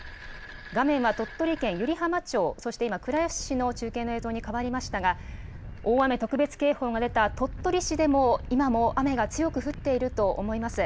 画面は鳥取県ゆりはま町、そして今、倉吉市の中継の映像に変わりましたが、大雨特別警報が出た鳥取市でも、今も雨が強く降っていると思います。